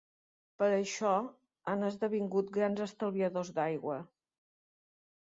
Per això han esdevingut grans estalviadors d'aigua.